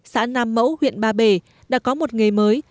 xã nam mẫu huyện ba bể đã có một nghề mới